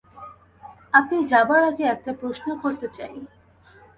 আপনি যাবার আগে একটা প্রশ্ন করতে চাই।